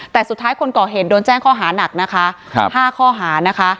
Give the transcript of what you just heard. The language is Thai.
แต่สุดท้ายคนก่อเหตุโดนแจ้งข้อหานักนะคะ๕ข้อหานะคะ